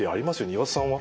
岩田さんは？